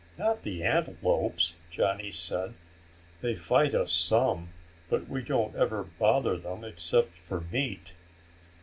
"Not the antelopes!" Johnny said. "They fight us some, but we don't ever bother them except for meat."